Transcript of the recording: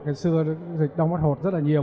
cái xưa đau mắt hột rất là nhiều